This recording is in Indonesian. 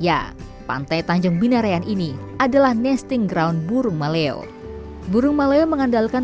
ya pantai tanjung binarayan ini adalah nesting ground burung maleo burung maleo mengandalkan